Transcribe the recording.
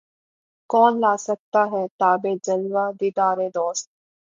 کون لا سکتا ہے تابِ جلوۂ دیدارِ دوست